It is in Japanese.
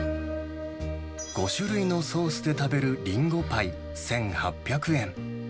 ５種類のソースで食べるリンゴパイ１８００円。